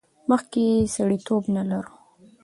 مخکې یې سړیتیوب نه لرلو.